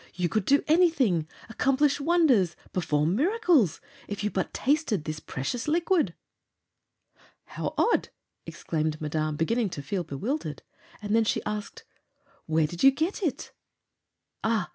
You could do anything accomplish wonders perform miracles if you but tasted this precious liquid!" "How odd!" exclaimed Madame, beginning to feel bewildered. And then she asked: "Where did you get it?" "Ah!